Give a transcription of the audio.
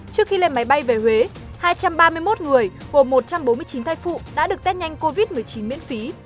trước khi lên máy bay về huế hai trăm ba mươi một người gồm một trăm bốn mươi chín thai phụ đã được test nhanh covid một mươi chín miễn phí